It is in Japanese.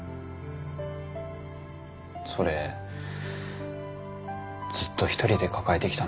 それずっと一人で抱えてきたのかな。